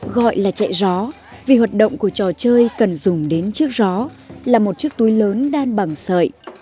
gọi là chạy gió vì hoạt động của trò chơi cần dùng đến chiếc gió là một chiếc túi lớn đan bằng sợi